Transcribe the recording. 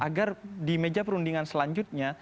agar di meja perundingan selanjutnya